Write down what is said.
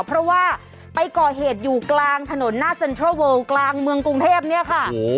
เพราะว่าไปก่อเหตุอยู่กลางถนนหน้าเซ็นทรัลเวิลกลางเมืองกรุงเทพเนี่ยค่ะ